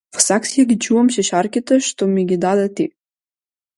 Во саксија ги чувам шишарките што ми ги даде ти.